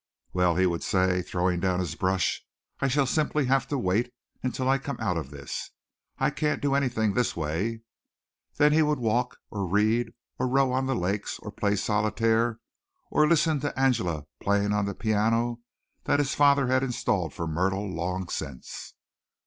"Well," he would say, throwing down his brush, "I shall simply have to wait until I come out of this. I can't do anything this way." Then he would walk or read or row on the lakes or play solitaire, or listen to Angela playing on the piano that his father had installed for Myrtle long since.